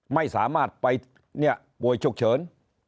ไม่สามารถไปป่วยฉุกเฉิน